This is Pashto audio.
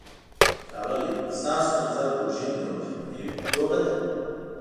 ښاغلی، ستاسو په نظر لوژینګ یوه ژمنی لوبه ده؟